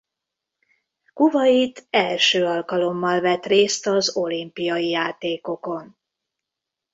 Kuvait első alkalommal vett részt az olimpiai játékokon.